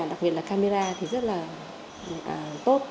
đặc biệt là camera thì rất là tốt